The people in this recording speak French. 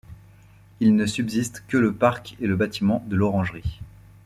Il ne subsiste que le parc et le bâtiment de l'orangerie.